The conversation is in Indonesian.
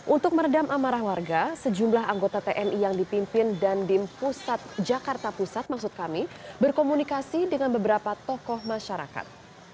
untuk meredam amarah warga sejumlah anggota tni yang dipimpin dandim pusat jakarta pusat maksud kami berkomunikasi dengan beberapa tokoh masyarakat